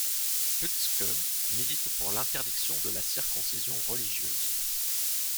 Putzke milite pour l'interdiction de la circoncision religieuse.